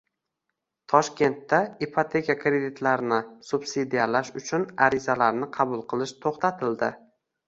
Toshkentda ipoteka kreditlarini subsidiyalash uchun arizalarni qabul qilish to‘xtatildi